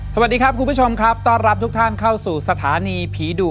สวัสดีครับคุณผู้ชมครับต้อนรับทุกท่านเข้าสู่สถานีผีดุ